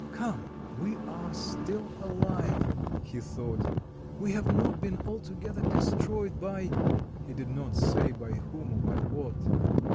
"Come, we are still alive," he thought; "we have not been altogether destroyed by" he did not say by whom or by what.